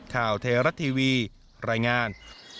ข่าวเทราะท์ทีวีรายงาน